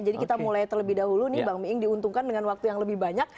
jadi kita mulai terlebih dahulu nih bang miing diuntungkan dengan waktu yang lebih banyak